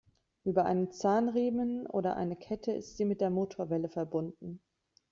Über einen Zahnriemen oder eine Kette ist sie mit der Motorwelle verbunden.